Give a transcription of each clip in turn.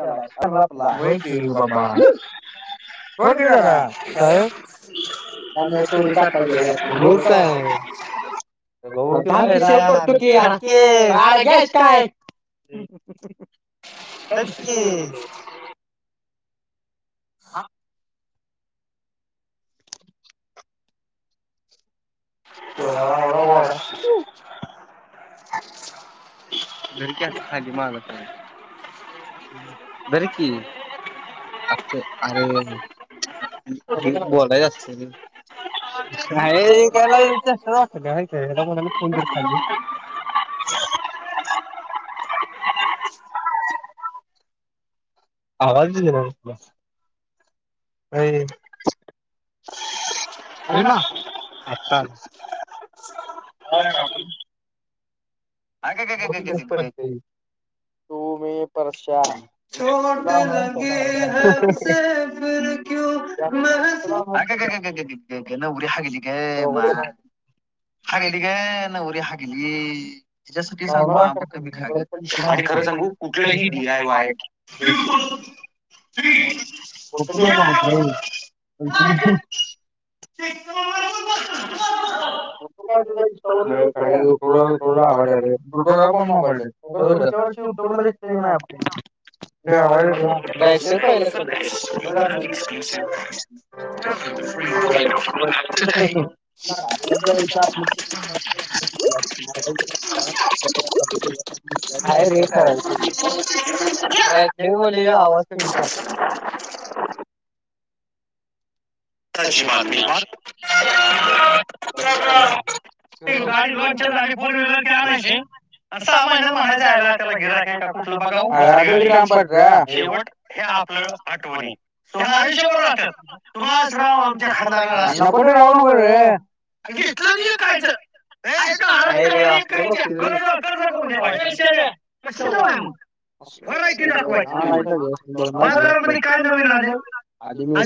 चला, [unintelligible] होय, की. बापा. सोड कि जरा काय ओ [unintelligible] [unintelligible] [unintelligible] चल कि हा [unintelligible] धर की असं खाली माझा फोन धर की असं अरे बोलायचं असतं र काय विक्याला चेष्टाच वाटायलीय हेला म्हणायलोय फोन धर खाली [inaudible] आवाज दिला भावा तुला अय एना आताच [unintelligible] तू मी परशा चोट लगे हे हसे फिर क्यू महसु अ ग, ग, ग, ग अगं नवरी हगली ग म हगली ग नवरी हगली तीच्यासाठी सांगू बघ कमी खाग आणि खरं सांगू कुठलंही डी आय वाय [unintelligible] [unintelligible] पडशी बिडशील [unintelligible] [unintelligible] तु त्याजा पण मोबाईल दे मग पुढच्या वर्षी युट्यूबला दिसती नाही आपल्या जायच पहिल्या सुधा [unintelligible] [unintelligible] [unintelligible] [unintelligible] कालची बातमी [unintelligible] गाडी लॉंच झाली फोर व्हीलर की आणायची सहा महिन्यात म्हणायच आयला त्याला गिऱ्हाईक का कुठलं बघा शेवट हे आपलं आठवणी तुम आयुष्याभर राहत्यात तुम्हाला आमच्या खांदानाला नको ते लावू नको ते दिसलं की विकायचं [unintelligible] व्हरायटी दाखवायची बाजारामध्ये काय नवीन आलय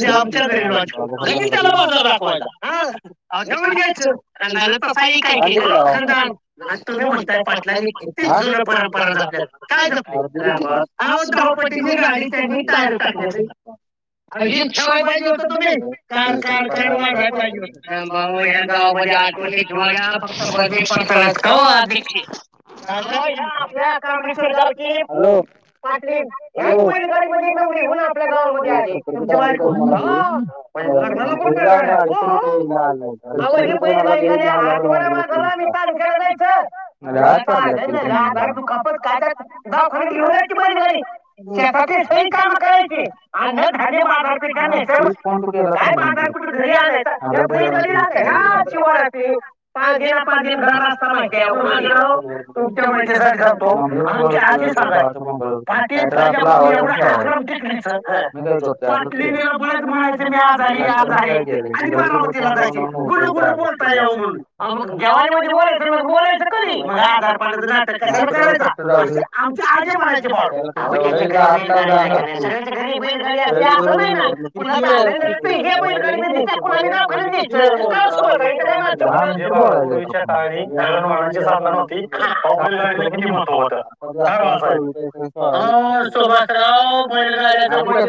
आमच्या घरी लॉन लगेच त्याला बाजार दाखवायचा घ्यायचं खानदानच तसाई काय खांदान आणि तुम्ही म्हणताय पाटलांनी किती जुन परंपरा जपल्या काय जपलय आव दहापट्टीची गाडी त्यांनी टायर टाकलेत आव ठेवाय पाहिजे होत तुम्ही कार, कार, कार वाजय पाहिजे होत्या आव भाऊ या गावामध्ये आठवणी ठेवाव्या [unintelligible] पाटलीन ह्याच बैलगाडीमध्ये नवरीहून आपल्या गावामध्ये आली तुमची बायको [unintelligible] मला आम्ही तचालू केला जायचचा दुखापत काय गावखान्यात घेऊन जायची बैलगाडी शेतातील सगळी काम करायची आणि अन्न, धान्य बाजार नाही [unintelligible] काय बार कुठे घरी आणायचा बैलगाडी जा शिवरात्री- पाच दिना पाच दिन घड असता माहिती आहे तुमच्या मासाठी सांगतो आम आ- वढक्रम टेकली पाट बरच म्हणायच [unintelligible] मी आजारी आजारी आणि बारामतीला जायचे गुलू गुलू बोलता येऊ म्हणून- मग जेवानी मध्ये बोलायचं मग बोलायचं कधी म हजार पनाच नाटक क करायचं. आमच्या आजी मानाचे बाळ बैलगाडी सगळ्याच्या घरी बैलगाडी अस असं नाही ना- चाले [unintelligible] बैल गाडी्ख न का [unintelligible] त गाडीणची साधना नव्हती बैल गाडीला किती महत्व होतं काय बासाहेब- अ सुभासराव बैलगाड्याच मा-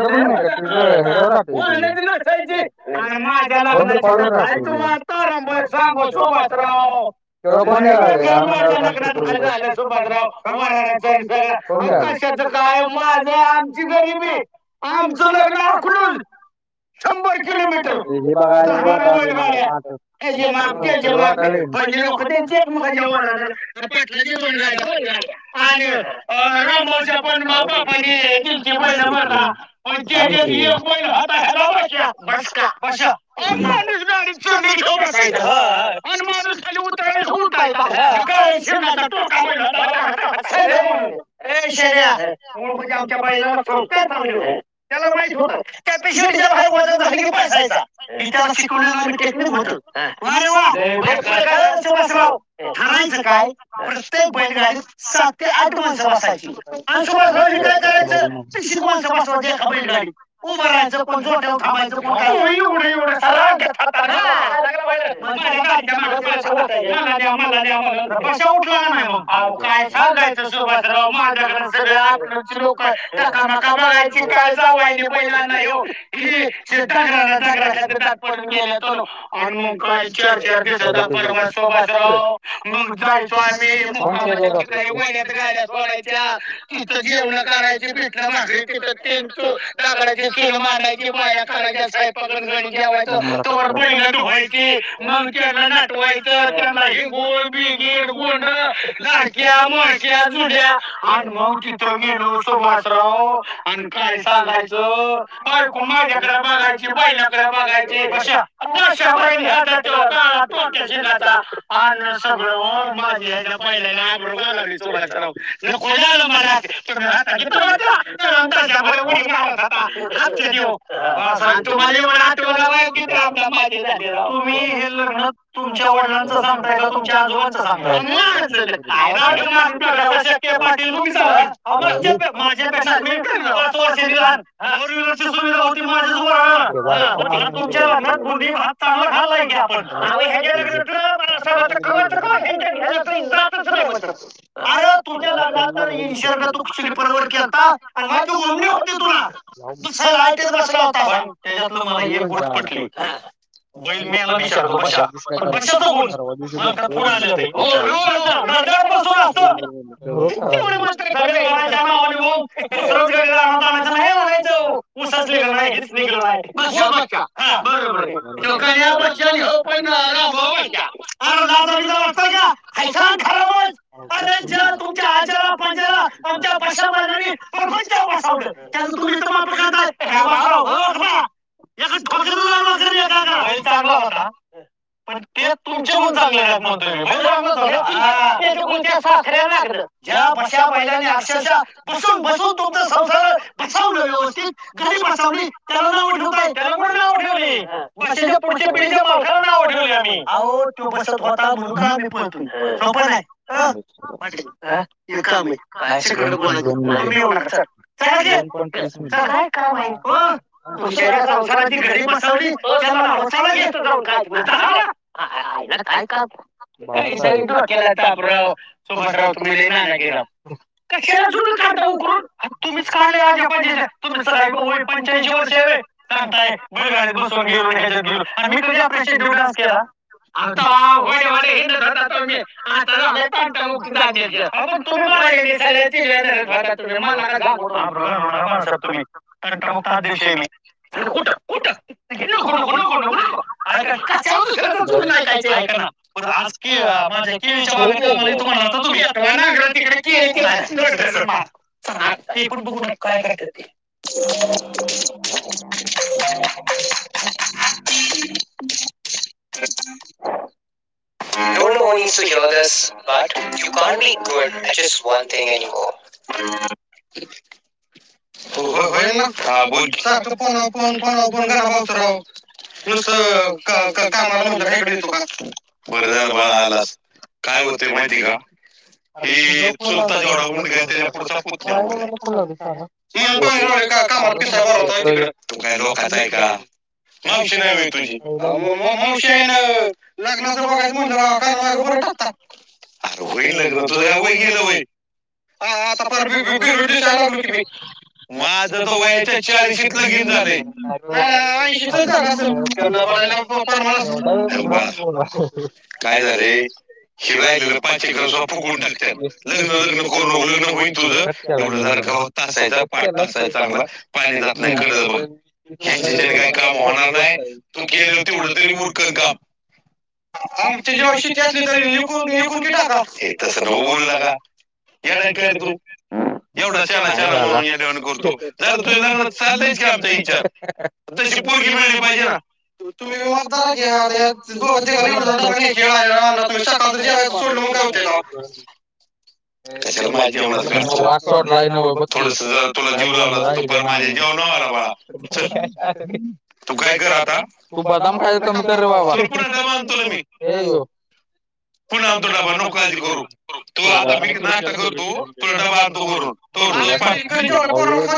माझ्या लाग् तू म तारम सांगो शोभात राव- लग्नाता झालं सुभाषराव माराचा आणि सगळ- कशाच काय माझं आमची गरीबी आमचं लग्न आखण- बघायला [unintelligible] पहिलेकद एक म ज पाटल्या दोन गा [unintelligible] ह आराम होज पण बाबा की बाई नबर का- ब अाय ह [unintelligible] य [unintelligible] शण्या आहे म्हणजे आमच्या बैलाला क चांगले त्याला माईट होत. तिच्या बाहेर वजन घाले की पैसायचा की त्याला शिकवले टेक्निक होतं. वाट रे वा ये सुभषराव म्हयचं काय प्रत्येक बैलगाडीत- सात ते आठ माणसं बसायची आणि सुभासराव हे काय करायचं विसएक माणस बसवायच एका बैलगाडीत- हो बर [unintelligible] कोण जोठ्याव थांबायं कोण काय तु एवढा एवढ्या सा रांगात होता ना- माझ्या गाडीच्या मागे पळत सुटतय मला न्या मला न्या म्हणून पशा उठला का नाही मग- आवो काय सांगायचं सुभासराव माझ्याकड सगळे आपल्याकची लोक टकामका बघायच. काय जावायानी बैल आनलाय यो- ही अशी डंगरा न डंगरा दात पडून गेले तो आणि मग काय- चार चार दिसाचा पर्वास सुभासराव मग जायचो आम्ही मुक्कामाच्या ठीक- वड्यात गाड्या सोडायच्या तिथं जेवण करायची पिठलं भाकरी तिथं तीन- दगडाची चूल मांडायची- ती बाया करायच्या सोयपाकन गडी जेवन करायची तोवर बैल धुवायची- मग त्यांना नाटवायचं त्यांना हेगोळ बिगीड गोंड- त्या म्होरक्या झुल्या आण मग तिथं गेलो सुभासराव आणि काय सांगायचं. ज बायको- माझ्याकडे बघायची बैलाकडे बघायची दशा का दशा बैल होता त्यो काळा- पक्या शिगाचा अन सगळं वो माझी हच्या बैलाने आबरु घालावली सुभासराव. नको झाल मला तुम्ही होता की तवा त्या तडमताशावर उडी मारत होता आमच्या- तुम्हाला एवढ आठवण होय कीती आबदा माझे झाले तुम्ही हे लग्न- तुमच्या वडलांचं सांगताय का तुमच्या आजोबांचं सांगताय आवो माझं काय राव माणुस- पाटील तुम्ही सांगताय माझ्यापेक्षा पाच वर्ष लहान फोरवीहीलर- तुमच्या लग्नात बुंधी भात चांगला खाल्लायी की आपण. अहो ह्याच्याया लग्नातलं मला अस वा कच जातच नाही म- अरे तुझ्या लग्ना तर ह शर्ट तू स्लीपरवर केलता आणि माझी उमणी होती तुला- दुसायला ऐटीत बसला होता असा पण त्याच्यातलं मला एक गोष्ट पटली बैल म यायला विचारतो बशा पण बशाचा गुण म्हलक पुढं आलेत. घरदार बसून असतो तेवढं मात्र लग्न करायच्या नावाने बोंब. एक दुसरच गडी रानात आणायचं नाही म्हणाचं. तव उसाच निघाल नाही हेच नीगलं नाही बशा बशा बरं बर त्यो गण्या, बशा आणि ह्यो पण राम म्हण अर लाजबीचा वाटतय का हैसान खरामच. अरे ज्या तुमच्या आज्याला, पंज्याला आमच्या बश्या बैलांनी प्रपंच्याव बसवलं त्याच तुम्ही इथं मापं काढताय ओ गप ओ. एका ठोक्यातच आडवा करीन एका एकाला बैल चांगला होता. पण ते तुमचे गुण चांगले नाही म्हणतोय मी त्याच्या गुण त्या सासऱ्याला लागलं. ज्या बशा बैलानी अक्षरशः बसून बसून तुमचा संसार बसवलं व्यवस्थित घडी बसवली त्याला नावं ठेवताय त्याला कुठं नावं ठेवली बशा च्या पुढच्या पिढीच्या मालकाला नाव ठवले आम्ही अहो तो बसत होता म्हणून त आम्ही पळतोय सोपं नाही. अ पाटील एक काम आहे काय सिक्रेट बोलायचय तुम्ही येऊ नका चला चला की. का काम आहे तुया संसाराची घडी बसवली चला ना चाल गे. अरे जा तिकडं आयला काय काम काय तरी डोक्याला ताप राव सुभाषराव लय नालायक आहे राव. कशाला जुन काढता उकरुन तुम्हीच काढला आज. पंं तुम्ही सग पंच्याऐंशी वर्ष यावे सगताय बैलाडीत बसून गेलो ह्याच्यात गेलो. आणि मी कधी आपल्याशित देव डान्स केला. आर तवा वडे वडे हिंडत होता तो मी आता झाला तंटा मुक्तीचा अध्यक्ष. वड्यांनी सगळ्या चिंगल्या धरत होता तुम्ही मला नको सांगू. नाना साहेब तुम्ही तंटामुक्त अध्यक्ष आहे मी कुठं कुठं नको नको नको नको नको. ऐका ना ऐका ना बर आज की माझ्या केळीच्या बागा पेटवा नांगर तिकडं केळी पण [unintelligible] काय करतात ते. [inaudible] [inaudible] Don't know who needs to hear this but you can't be good as one thing any more. [inaudible] हो होय अण्णा हा बोल की सारख फोनाव फोन फोनाव फोन गणा भाऊ च राव. नुसत का कामाला म्हटलं काही कडे देतो का बर झाला बाळा आलास. काय होते माहिती का? वढा पुत [unintelligible] [unintelligible] काही लोकच आहे का? मावशी नाही होय तुझी मावशी लग्नाच बघा म्हण माग बर टाक बिन लग्न तुझं काय वय गेलं वई. [unintelligible] माझ तर वय च्या चाळीऐंशीत लगीन झालंय नाना ऐंशीतच झालं असल. [unintelligible] हे बघ बाळा काय झालंय हेि राहिले पाच एकर सुद्धा फुकून टाकतात लग्न लग्न करू नक लग्न होईन तुझं एवढं जरा गव असायच फ असाय चांगला पाणी जात इकड बघच का काम होणार नाही. तू केल तेवढं तरी उरकल काम. आणि ते जेव्हा शती असली तरी विकून क टाका तस नऊ बोलू लका. येडा आहे का रे तू [unintelligible] करं तंय लग्नात चाललंय की आमच्या विचार तशी परगी मिळली पाहिजे ना? तुम्ही विदारा घ्या खम्हीका [unintelligible] ॉ ला ब [unintelligible] तुला जीव ला जेव नवाला बा तू काय कर आता? तू बदाम काय कमी कर रे बाबा तो मी हे. पुण आणतो डबा नको काळजी करू त आता नाश्ता कर तू तुला डबा आणतो घरून. हो इ भट [unintelligible]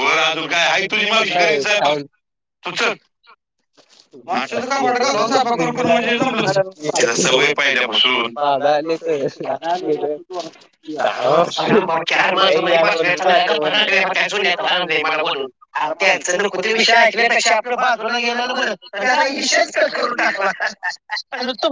तुू का आहे तुझी म वि आहे तूचल. का मोठ कर हो [unintelligible] आ [unintelligible] चार मला बोलून. अ त्यांच नको ते विषय ऐकल्यापेक्षा आपल्या बाजूला गेलेला बरं म्हणजे विषयच कट करून टाकला. आ [inaudible]